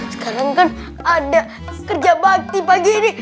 sekarang kan ada kerja bakti pagi ini